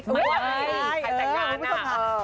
ใครแต่งงาน๘๑